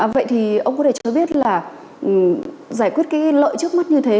vậy thì ông có thể cho biết là giải quyết cái lợi trước mắt như thế